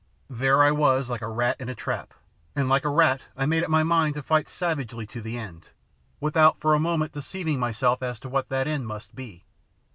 There I was like a rat in a trap, and like a rat I made up my mind to fight savagely to the end, without for a moment deceiving myself as to what that end must be.